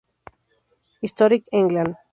Historic England.